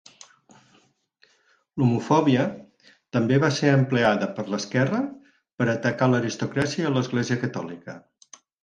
L'homofòbia també va ser empleada per l'esquerra per a atacar l'aristocràcia i a l'Església catòlica.